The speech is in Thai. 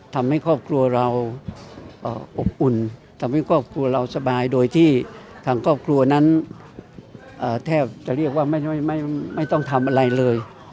ทำให้ครอบครัวเราอบอุ่นทำให้ครอบครัวเราสบายโดยที่ทางครอบครัวนั้นแทบจะเรียกว่าไม่ต้องทำอะไรเลย